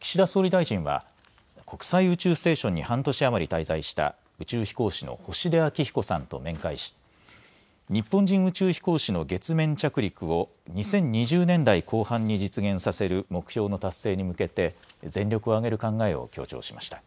岸田総理大臣は国際宇宙ステーションに半年余り滞在した宇宙飛行士の星出彰彦さんと面会し日本人宇宙飛行士の月面着陸を２０２０年代後半に実現させる目標の達成に向けて全力を挙げる考えを強調しました。